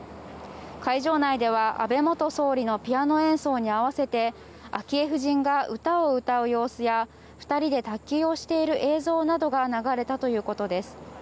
会場内では安倍元総理のピアノ演奏に合わせて昭恵夫人が歌を歌う様子や２人で卓球をしている映像などが流れたということです。